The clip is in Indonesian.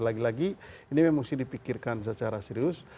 lagi lagi ini memang mesti dipikirkan secara serius